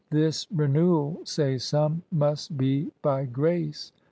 This renewal, say some, must be by grace.